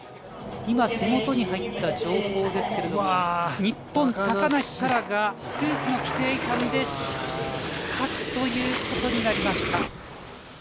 手元に入った情報ですけれども、日本の高梨沙羅がスーツの規定違反で失格ということになりました。